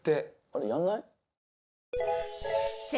あれやんない？